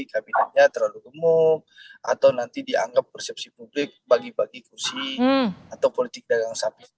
kabinetnya terlalu gemuk atau nanti dianggap persepsi publik bagi bagi kursi atau politik dagang sapi